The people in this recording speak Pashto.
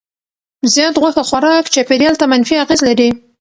زیات غوښه خوراک چاپیریال ته منفي اغېز لري.